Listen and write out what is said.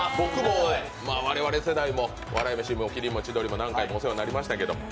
我々世代も、笑い飯も千鳥も何回もお世話になりましたけど。